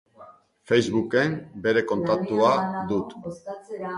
Facebook-en bere kontaktua dut.